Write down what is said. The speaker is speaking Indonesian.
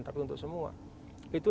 tapi untuk semua itu